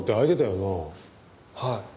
はい。